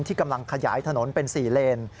กำลังขยายถนนเป็น๔เลน